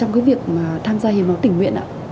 với việc mà tham gia hiến máu tình nguyện ạ